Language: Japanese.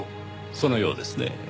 そのようですね。